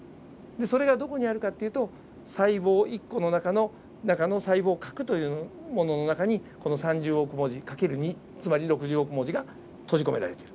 それがどこにあるかっていうと細胞１個の中の細胞核というものの中にこの３０億文字掛ける２つまり６０億文字が閉じ込められている。